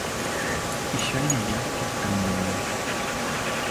І сёння я падтрымліваю.